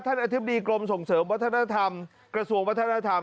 อธิบดีกรมส่งเสริมวัฒนธรรมกระทรวงวัฒนธรรม